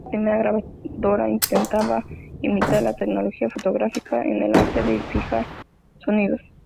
Esta primera grabadora intentaba imitar la tecnología fotográfica en el arte de fijar sonidos.